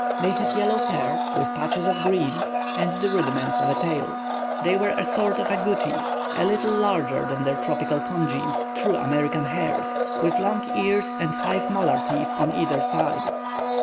They had yellow hair, with patches of green, and the rudiments of a tail. They were a sort of agouti, a little larger than their tropical congeners, true American hares, with long ears and five molar teeth on either side.